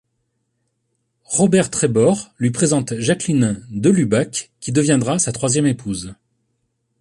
Robert Trébor lui présente Jacqueline Delubac qui deviendra sa troisième épouse.